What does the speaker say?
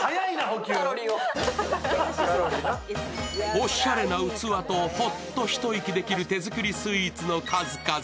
おしゃれな器とほっと一息できる手作りスイーツの数々。